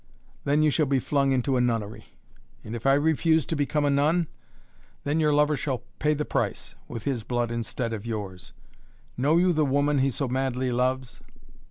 "Then you shall be flung into a nunnery." "And if I refuse to become a nun?" "Then your lover shall pay the price with his blood instead of yours. Know you the woman he so madly loves?"